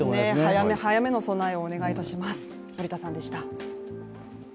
早め早めの備えをお願いいたします。